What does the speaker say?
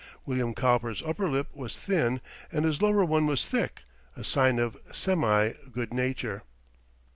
William Cowper's upper lip was thin, and his lower one thick a sign of semi good nature.